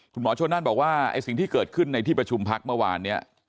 คุณหมอชนนั่นบอกว่าไอ้สิ่งที่เกิดขึ้นในที่ประชุมพักเมื่อวานเนี่ย